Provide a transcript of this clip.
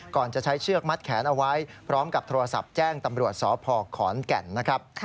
จะใช้เชือกมัดแขนเอาไว้พร้อมกับโทรศัพท์แจ้งตำรวจสพขอนแก่นนะครับ